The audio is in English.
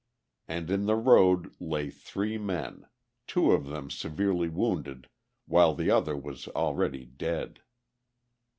And in the road lay three men, two of them severely wounded while the other was already dead.